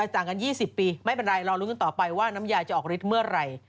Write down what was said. ต่างกัน๒๐ปีไม่เป็นไรรอลุ้นกันต่อไปว่าน้ำยายจะออกฤทธิ์เมื่อไหร่